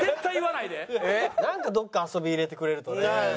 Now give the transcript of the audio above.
なんかどっか遊び入れてくれるとね。